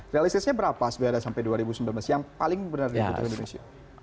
realistisnya berapa sebenarnya sampai dua ribu sembilan belas yang paling benar diputar indonesia